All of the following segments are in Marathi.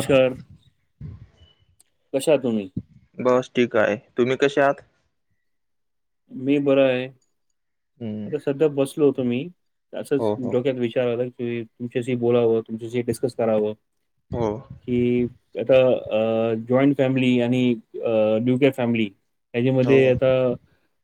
सर कशा आहात तुम्ही? बस ठीक आहे. तुम्ही कसे आहात? मी बरा आहे. हम्म. आता सध्या बसलो होतो मी असंच हो हो डोक्यात विचार आला की तुमच्याशी बोललावं, तुमच्याशी डिसकस करावं. हो कि आता अह जॉईंट फॅमिली आणि अह नूक्लिअर फॅमिली हो त्याच्यामध्ये आता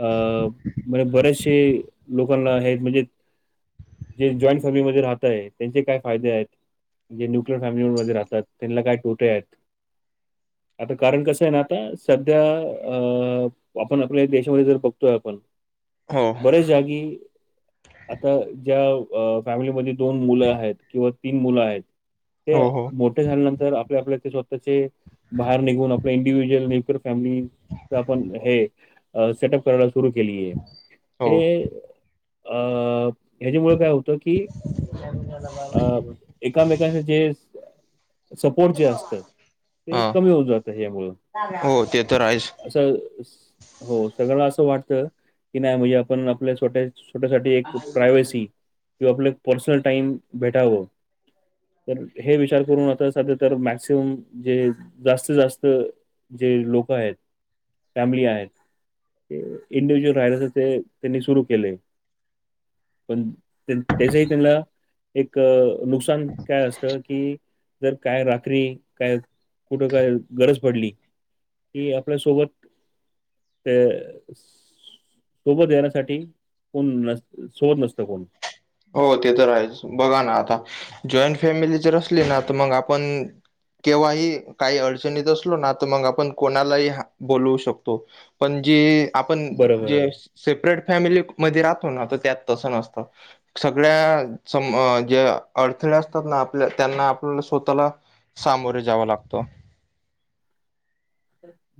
अह म्हणजे बऱ्याचसे लोकांना आहे म्हणजे जे जॉईंट फॅमिलीमध्ये राहतय त्यांचे काय फायदे आहेत? जे नूक्लिअर फॅमलीमध्ये राहतात त्यांना काय तोटे आहेत? आता कारण कसं आहे ना आता सध्या अह काम आपण आपल्या देशामध्ये जर बघतोय आपण हो. हो बरेच जागी आता ज्या अह फॅमिलीमध्ये दोन मुलं आहेत किंवा तीन मुलं आहेत त्या हो हो मो ठ झाल्यानंतर आपल्या आपल्या स्वतःचे बाहेर निघून आपल्या इंडिव्हिस्युअल नूक्लिअर फॅमिली तर आपण हे अह सेटअप करायला सुरू केली आहे. हो हे अह ह्याच्यामुळे काय होत की अह एकामेकांचें जे सपोर्ट जे असत ते हा कमी होऊन जात ह्यामुळे हो ते तर आहेच. तर स हो सगळ्यांना असं वाटत की नाही म्हणजे आपण आपल्या छोट्या स्वतः साठी एक प्रायवसी किंवा आपलं पर्सनल टाइम भेटावं तर हे विचार करून आता सध्या तर मॅक्सिमम जे जास्तीत जास्त जे लोक आहेत, फॅमिली आहेत ते इंडिव्हिड्युअल राहिले तर ते त्यांनी सुरु केलय पण त्याच ही त्यांना एक अह नुकसान काय असतं की जर काय रात्री काय कुठं काय गरज पडली कि आपल्या सोबत ते सोबत येण्यास साठी कोण न सोबत नसत कोण हो ते तर आहेच बघा ना आता. जॉईंट फॅमिली तर असली ना तर मग आपण केव्हाही काही अडचणीत असलो ना तर मग आपण कोणालाही बोलवू शकतो पण जी आपण बरोबर आहे. जे सेपरेट फॅमिली मध्ये राहतो ना तर त्यात तसं नसतं. सगळ्या सम ज्या अडथळे असतात ना आपल्या त्यांना आपल्याला स्वतःला सामोरे जाव लागत.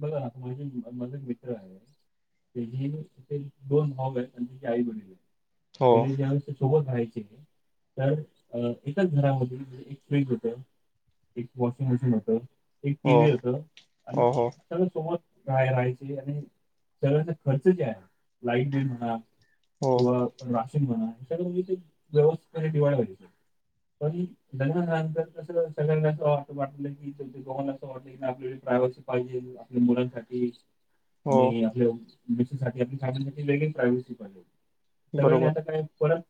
बघा ना माझे माझा एक मित्र आहे. त्याची, ते दोन भाऊ आहेत आणि त्याची आई वडील. हो पहिले ज सोबत राहायचे तर अ एकच घरामध्ये एक फ्रीझ होत. एक वॉशिंग मशीन होत, एक हो टीव्ही होत. आणि हो हो सगळ सोबत राहा राहायचे आणि सगळयांचा खर्च जे आहे, लाईट बिल म्हणा हो किंवा राशीन म्हणा हे सगळ व्यवस्तिथीत पणे हे डिव्हएड पायजे पण लग्न झाल्यानंतर असा सगळ्यांना असा वाटलं की दोगांना जसा वाटल की [unintelligible] प्रायवसी पायजे आपल्या मुलांसाठी आणि हो आपले मिस्सेससाठी [unintelligible] वेगलीच प्रायवसी पायजे, सगळ्यांनी बरोबर आता काय परत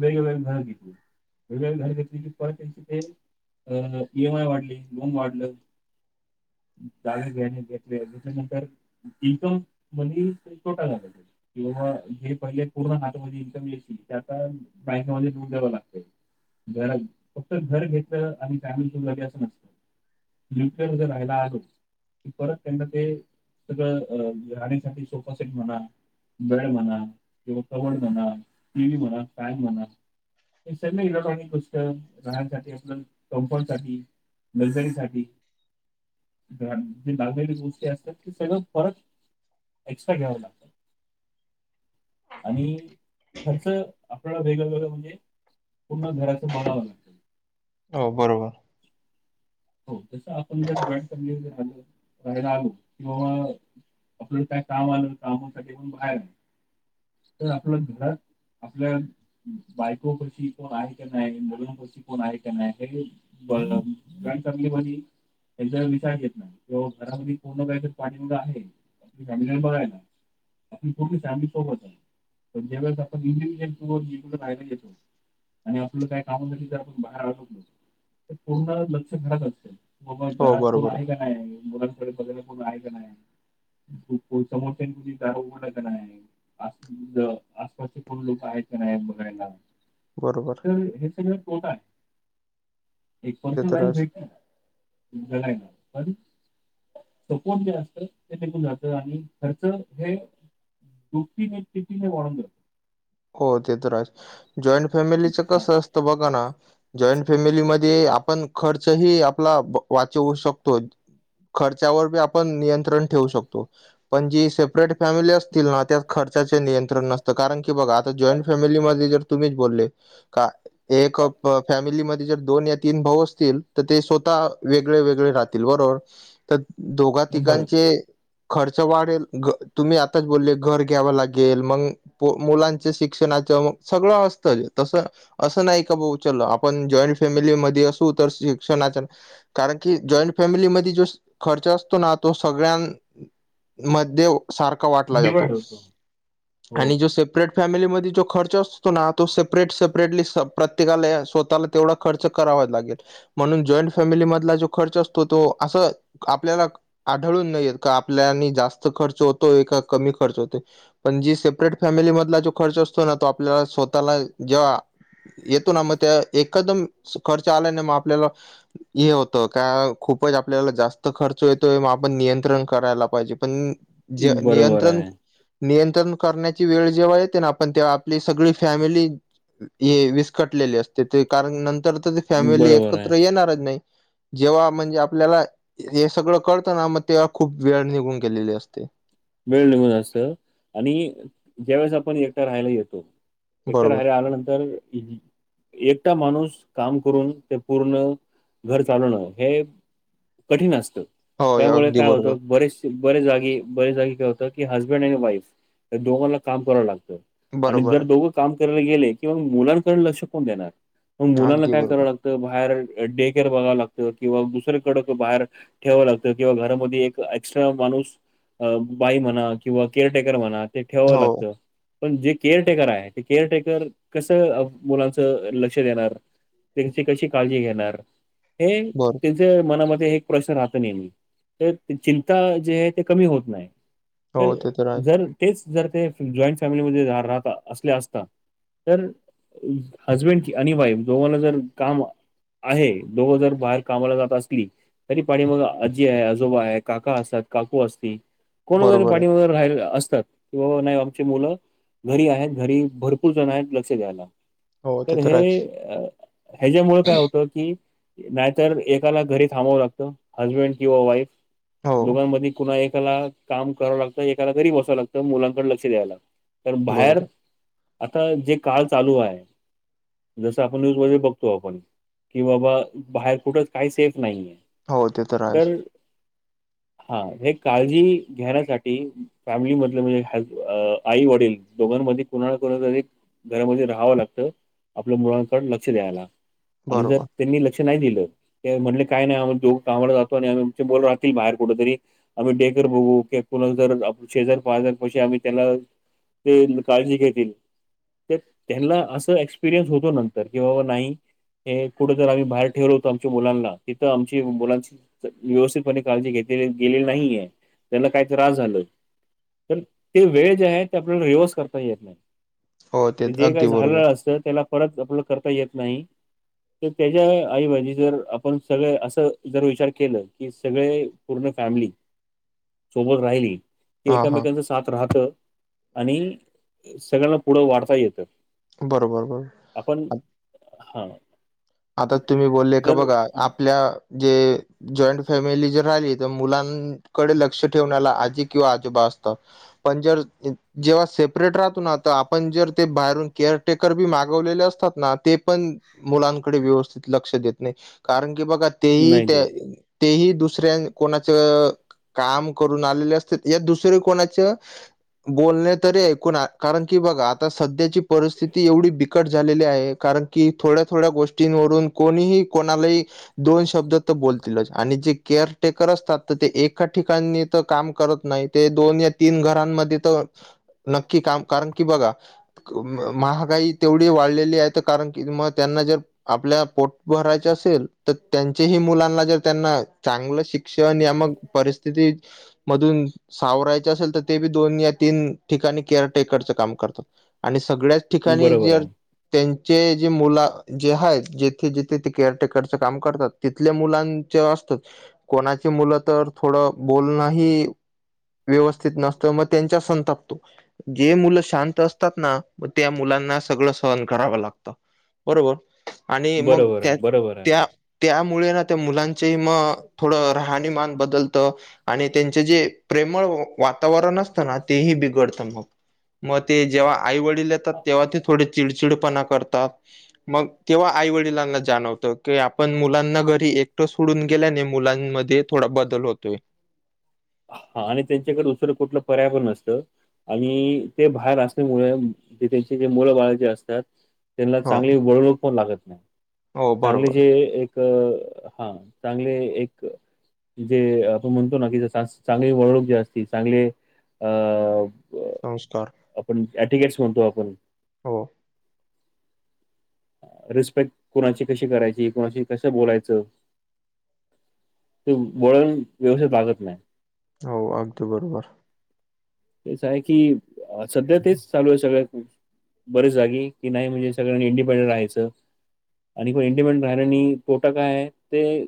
वेगळा वेगळा घर घेतला. वेगवेगळी घर घेतली की परत त्यांची ते अ ई एम ई वाढली, लोन वाढलं. जागे घ्या आणि [unintelligible] त्याच्यानंतर इन्कममध्ये तोटा झाला किंवा हे पहिले पूर्ण हातामध्ये इन्कम यायची त्याचा बँकामध्ये [unintelligible] द्यावं लागत घरा फक्त घर घेतलं आणि फॅमिली [unintelligible] झाली असं नसते हम्म कर्ज राहिल आजुन परत त्यांना ते सगळं अ राहण्यासाठी सोफासेट म्हणा बेड म्हणा किंवा कबड म्हणा टी व्ही म्हणा फॅन म्हणा. हे सगळ इलेक्ट्रॉनिक गोष्ट राहण्यासाठी आपण कम्फर्टसाठी लक्झरीसाठी. [unintelligible] जे लागलेली गोष्टी असतात ते सगळं परत एक्स्ट्रा घ्यावं ला आणि खर्च आपल्याला वेगळ वेगळं म्हणजे पूर्ण घराच बघावं लागेल. हो बरोबर. हो जस आपण जर जॉईंटॅ फँमेलीत राहायला आलो किंवा आपलं काय काम आलं, काम सगळे पण बाहेर तर आपलं घरात आपल्या बायकोपशी कोण आहे का नाय मुलांपशी कोण आहे का नाय हे [unintelligible] काय करली भाजी? एक जन विचारयचेेत तो घरामध्ये [unintelligible] [inaudible] पाणी आहे. आपल्या फॅमिलीला बघायला, आपली पूर्ण फॅमिली सोबत आहे पण ज्या वेळेस आपण [unintelligible] राहियला येतो. आणि आपलं काय कामासाठी जर आपण बाहेर आलत ना तर पूर्ण लक्ष घरात असत. की बाबा हो घरात कोन बरोबर आहे का नाय मु मुलांन सोबत कोण आहे का नाय, [unintelligible] समोरच्याची दार ओपन आहे का नाय. आ आसपास ज आसपासचे कोण लोक आहेत का नाय बघायला. बरोबर. तर हे सगळं खोटा ते तर आहेच [unintelligible] [inaudible] [unintelligible] [inaudible] सपोर्ट जे असत ते टिकून जात आणि खर्च हे दुपटीने तिपटिने वाढुन जातो. हो ते तर आहेच, जॉइन्ट फॅमिलीच हा कसं असतं बघा ना जॉइन्ट फॅमिलीमध्ये आपण खर्चही आपला ब वाचवू शकतो. खर्चावर बी आपण नियंत्रण ठेवू शकतो. पण जी सेपरेट फॅमिली असतील ना त्यात खर्चाचे नियंत्रण नसतं कारण कि की बघा आता जॉईंट फॅमिलीमध्ये जर तुम्हीच बोलले का एक प फॅमिलीमध्ये जर दोन या तीन भाऊ असतील तर ते स्वतः वेगळे वेगळे राह तीला बरोबर, तर दोघा बरोबर तिघांचे खर्च वाढेल, तुम्ही आताच बोलले घर घ्यावं लागेल मंग मुलांच्या शिक्षणाच सगळं असतं, तस असं नाही का, भाऊ चल आपण जॉईंट फॅमिलीमध्ये असू तर शिक्षणाच्या कारण की, जॉईंट फॅमिलीमध्ये जो खर्च असतो ना, तो सगळ्या मध्ये सारखा वाटला डिवाइड जातो होतो हो आणि जो सेपरेट फॅमिलीमध्ये जो खर्च असतो ना, तो सेपरेट, सेपरेटली प्रत्येकाला स्वतःला तेवढा खर्च करावा लागेल, म्हणून जॉईंट फॅमिली मधला जो खर्च असतो तो असं आपल्याला आढळून नाहीे येत का, आपल्या जास्त खर्च होतोय का कमी खर्च होतोय, पण जी सेपरेट फॅमिली मधला जो खर्च असतो ना, तो आपल्याला स्वतःला जेव्हा येतो ना, मग त्या एखदम खर्च आला नाही मग, आपल्याला हे होतं का, खूपच आपल्याला जास्त खर्च येतोय, म आपण नियंत्रण करायला पाहिजे पण ज बरोबर नियंत्रण, आहे नियंत्रण करण्या ची वेळ जेव्हा येते ना, आपण तेव्हा आपली सगळी फॅमिली हे विस्कटलेले असते, ते कारण नंतर तर फॅमिली बरोबर आहे एकत्र येणारच नाही. जेव्हा म्हणजे आपल्याला हे सगळं कळत ना, मग तेव्हा खूप वेळ निघून गेलेली असते. वेळ निघून असते आणि ज्यावेळेस आपण एकटा राहायला येतो एकट्या बरोबर राहयला आल्यानंतर इजी एकटा माणूस काम करून ते पूर्ण घर चालवणं, हे कठीण असत, हो त्यामुळे अगदी काय बरोबर होतं बरेच बरेच जागी, बरेच जागी काय होतय की, हसबंड आणि वाईफ या दोघांला काम करावं लागतं. आणि बरोबर जर आहे दोघं काम करायला गेले कि, मग मुलांकडून लक्ष कोण देणार, मग मुलांना अगदी काय करावं बरोबर लागतं तर बाहेर टेकर बघावं लागतं किंवा दुसर्याकडं बाहेर ठेवाव लागतं किंवा घरामध्ये एक एक्स्ट्रा माणूस अ बाई म्हणा किंवा केअरटेकर म्हणा, ते ठेवावं हो लागतं. पण जे केअर टेकर आहे, ते केअर टेकर कसं मुलांचं लक्ष देणार? त्यांची कशी काळजी घेणार? हे बरो त्यां च मनामध्ये एक प्रश्न राहत नेहमी, तर चिंता जे आहे ते कमी होत नाही. तर हो ते आहे जर, तेच जर ते जॉईंट फॅमिलीमध्ये राहता असले असता पण हजबेंड की आणि वाईफ जो जर काम आहे, दोघं जर बाहेर कामाला जात असतील तरी पाणी मग आजी आहे, आजोबा आहे, काका आसतात, काकू असतील कोण वगैरे, बरोबर आहे पाणी वगैरे राहि असतात. कि बाबा नाही आमचे मुलं घरी आहेत, घरी भरपूर जण आहेत लक्ष द्यायला. हो ते तर आहेच. हे अ ह्याच्यामुळ काय होतं की नाहीतर, एकाला घरी थांबावं लागत, हसबेंड किंवा वाईफ हो, दोघांमधी कुन्हा एकाला काम करावं लागतं, एकाला घरी बसावं लागतं, मुलांकडे लक्ष द्याव लागत. तर बाहेर बरोबर. आता जे काळ चालू आहे. जसं आपण न्यूज मधे बघतो आपण की, बाबा बाहेर कुठे काही सेफ नाहीये. हो, ते तर आहेच. हा हे काळजी घेण्यासाठी फॅमिली मधले म्हणजे, आई वडील दोघांमध्ये कुणाला कुणा एक घरामध्ये राहावं लागतं, आपल्या मुलांकड लक्ष द्यायला आणि जर बरोबर. त्यांनी लक्ष नाही दिलं, त्यांनी म्हणल काय नाही आमच दोघ कामाला जातो आणि आम्ही आम राहतील बाहेर कुठ तरी आम्ही डेकर बघू ते पोरांना जर शेजार पाजार पशी आम्ही त्याला ते काळजी घेतील. ते त्यांना असं एक्सपिरियन्स होतो नंतर कि नाही हे कुठं जर आम्ही बाहेर ठेवलं होतो, आमच्या मुलांना तिथं आमची मुलांची व्यवस्थितपणे काळजी घेतली गेलेली नाहीये. त्याला काही त्रास झाल, तर ते वेळ जे आहे ते आपल्याला रिव्हर्स करता येत नाही. हो ते जे काय अगदी बरोबर. झालेलं असतं, त्याला परत अपलोड करता येत नाही. तर त्याच्या आईबाजी जर आपण सगळे, असं जर विचार केलं की, सगळे पूर्ण फॅमली सोबत राहिली की, हां, हां. एकामेकास साथ राहत आणि सगळ्यांना पुढं वाढता येतं. बरोबर बरं. आपण हा. आता तुम्ही बोलले का जर बघा? आपल्या जे जॉईंट फॅमिली जर राहिली, तर मुलांकडे लक्ष ठेवण्याला आजी किंवा आजोबा असतात. पण जर जेव्हा सेपरेट राहतो ना, तर आपण जर ते बाहेरून केअर टेकर बी मागवलेले असतात ना, ते पण मुलां कडे व्यवस्थित लक्ष देत नाही. कारण की बघा तेही नाही त्या देत तेही दुसऱ्या कोणाच काम करून आलेले असतेत, या दुसरे कोणाच बोलणे तरी ऐकून हाय कारण की, बघा आता सध्याची परिस्थिती एवढी बिकट झालेली आहे कारण कि थोड्या थोड्या गोष्टींवरून कोणीही, कोणालाही दोन शब्द तर बोलतीलच आणि जे केअर टेकर असतात, तर ते एका ठिकाणी तर, काम करत नाहीत. ते दोन या तीन घरांमध्ये तर नक्की काम, कारण की, बघा महागाई तेवढी वाढलेली आहे, ते कारण की मग त्यांना जर आपल्या पोट भरायचे असेल, तर त्यांचेही मुलांना जर, त्यांना चांगलं शिक्षण या मग परिस्थिती मधून सावरायचे असेल, तर ते बी दोन या तीन ठिकाणी केअर टेकरचं काम करतात. आणि सगळ्याच ठिकाणी बरोबर जर, आहे त्यांचे जे मुला जे हायेत, जेथे जिथे ते केअरटेकरच काम करतात, तिथल्या मुलांचे असतात. कोणाची मुलं तर थोडं बोलणंही व्यवस्थित नसतं, मग त्यांच्या संतापतो. जे मुलं शांत असतात ना, म त्या मुलांना सगळं सहन करावं लागतं. बरोबर आणि मग बरोबर त्या आहे बरोबर आहे त्या त्यामुळे ना, त्या मुलांचेही मग थोडं राहणीमान बद्दलत. आणि त्यांचे जे प्रेमळ वातावरण असतं ना, तेही बिघडतं मग. मग ते जेव्हा आई वडील येतात, तेव्हा ते थोडे चिडचिडपणा करतात. मग तेव्हा आई वडिलांना जाणवतं की, आपण मुलांना घरी एकटं सोडून गेल्याने मुलांमध्ये थोडा बदल होतोय. हा आणि त्यांच्याकडे दुसर कुठलं पर्याय पण नसतं. आणि ते बाहेर असल्यामुळे ते त्यांचे मुलंबाळ जे असतात त्यांनाला हो चांगले वळनुक पणं लागत नाही. हो चांगले बरोबर जे एक क हा. चांगले एक जे आपण म्हणतो ना की, जस आज चांगली वळणूक जी असती, चांगले अ संस्कार. आपण ॲटिगेट्स म्हणतो आपण. हो. रिस्पेक्ट कुणाची कशी करायची? कुणाशी कस बोलायचं? ते वळण व्यवस्थित लागत नाही. हो अगदी बरोबर. तेच आहे की, सध्या तेच चालू आहे सगळ्यात बरेच जागी की नाही म्हणजे सगळ्यांनी इंडिपेंडेंट राहायचं. आणि पण इंडिपेंडंट राहिल्यानी पोटा काय आहे ते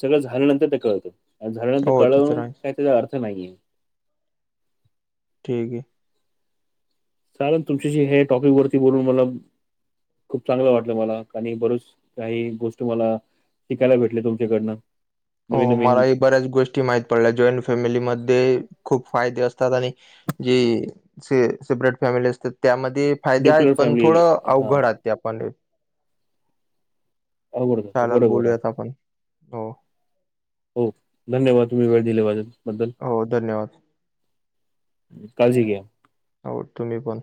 सगळं झाल्यानंतर ते कळतं आणि झाल्यानंतर हो ते तर कळवून आहेच. काय त्याचा अर्थ नाहीये. ठीक आहे. चालंन तुमच्याशी हे टॉपिक वरती बोलून मला खूप चांगलं वाटलं मला आणि बरच काही गोष्ट मला शिकायला भेटले तुमच्याकडनं. हो नवीन नवीन मलाही बऱ्याच गोष्टी माहित पडल्या, जॉईंट फॅमिलीमध्ये खूप फायदे असतात आणि जी सेपरेट फॅमिली असतात त्यामध्ये फायदे आहेत, न्युक्लिअर पण फॅमिली थोडं हा अवघड आहेत. ते आपाले अवघड जातो चालल बरोबर आहे बोलूयात आपण, हो.. हो धन्यवाद वेळ तुम्हीं दिल्याबदल, दिल्याबद्दल. हो धन्यवाद. काळजी घ्या. हो तुम्ही पण.